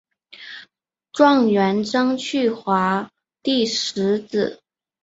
状元张去华第十子。